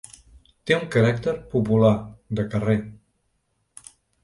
Té un caràcter popular, de carrer.